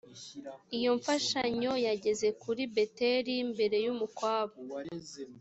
iyo mfashanyo yageze kuri beteli mbere y’umukwabu